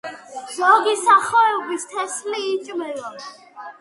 ზოგი სახეობის თესლი იჭმება.